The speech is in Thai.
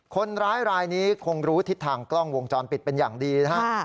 คนร้ายรายนี้คงรู้ทิศทางกล้องวงจรปิดเป็นอย่างดีนะฮะ